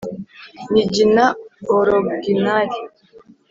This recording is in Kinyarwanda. nyiginya oroginali